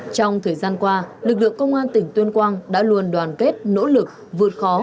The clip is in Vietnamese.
trong thời gian qua lực lượng công an tỉnh tuyên quang đã luôn đoàn kết nỗ lực vượt khó